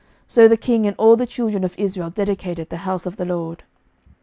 So the king and all the children of Israel dedicated the house of the LORD.